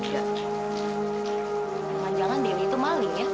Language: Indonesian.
jangan jangan diri itu maling ya